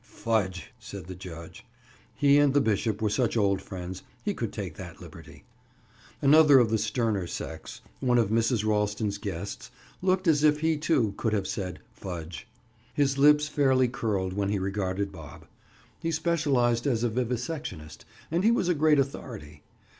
"Fudge!" said the judge. He and the bishop were such old friends, he could take that liberty. Another of the sterner sex—one of Mrs. Ralston's guests—looked as if he, too, could have said: "Fudge!" His lips fairly curled when he regarded Bob. He specialized as a vivisectionist, and he was a great authority.